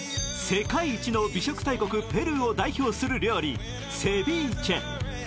世界一の美食大国ペルーを代表する料理、セビーチェ。